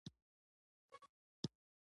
د دنیا لوی لوی سلطنتونه سلامي شول.